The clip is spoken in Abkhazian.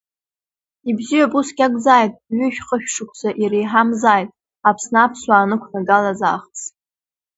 Ибзиоуп, усгьы акәзааит ҩышә, хышә шықәса иреиҳамзааит Аԥсны аԥсуаа анықәнагалаз аахыс !